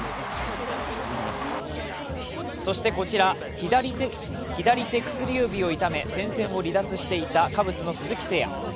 そしてこちら、左手薬指を痛め戦線を離脱していたカブスの鈴木誠也。